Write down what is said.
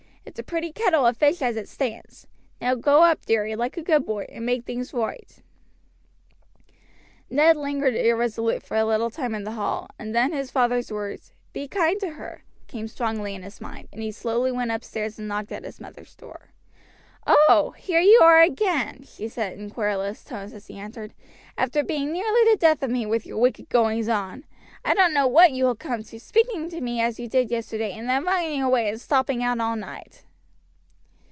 It's a pretty kettle of fish as it stands. Now, go up, dearie, like a good boy, and make things roight." Ned lingered irresolute for a little time in the hall, and then his father's words, "Be kind to her," came strongly in his mind, and he slowly went upstairs and knocked at his mother's door. "Oh! here you are again!" she said in querulous tones as he entered, "after being nearly the death of me with your wicked goings on! I don't know what you will come to, speaking to me as you did yesterday, and then running away and stopping out all night."